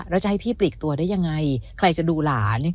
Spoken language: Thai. แล้วจะให้พี่ปลีกตัวได้ยังไงใครจะดูหลาน